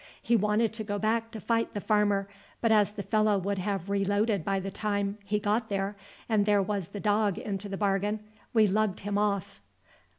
He wanted to go back to fight the farmer, but as the fellow would have reloaded by the time he got there, and there was the dog into the bargain, we lugged him off."